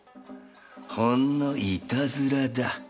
ほんのいたずらだ。